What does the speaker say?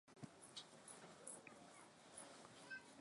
maalumu yenye wafuasi wengi duniani Kiteolojia linamaanisha Kanisa